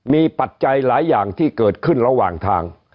มีปัจจัยหลายอย่างที่เกิดขึ้นระหว่างทาง